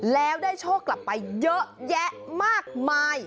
แล้วได้โชคกลับไปเยอะแยะมากมาย